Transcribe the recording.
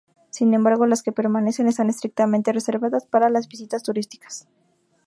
Sin embargo, las que permanecen están estrictamente reservadas para las visitas turísticas.